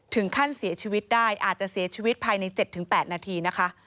ถึงขั้นเสียชีวิตได้อาจจะเสียชีวิตภายใน๗๘นาทีนะคะ